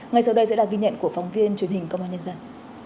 ngay sau đây sẽ là ghi nhận của phóng viên truyền hình công an nhân dân